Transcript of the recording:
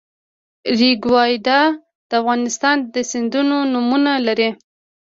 ریګویډا د افغانستان د سیندونو نومونه لري